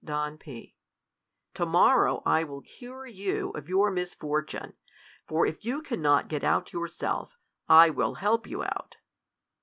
V Don P. To morrow I will cure you of your misfor tune ; for if you cannot get out yourself, I will help ^% you out.